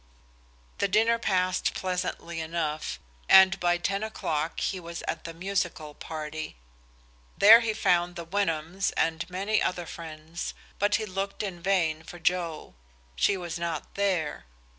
The dinner passed pleasantly enough, and by ten o'clock he was at the musical party. There he found the Wyndhams and many other friends, but he looked in vain for Joe; she was not there.